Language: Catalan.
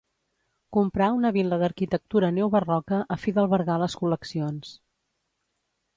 Comprà una vil·la d'arquitectura neobarroca a fi d'albergar les col·leccions.